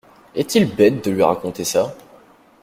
Est-il bête de lui raconter ça !